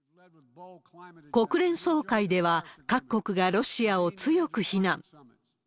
国連総会では、各国がロシアを強く非難。